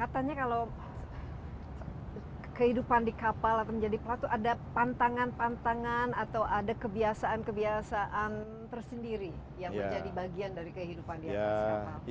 katanya kalau kehidupan di kapal atau menjadi pelat itu ada pantangan pantangan atau ada kebiasaan kebiasaan tersendiri yang menjadi bagian dari kehidupan di atas kapal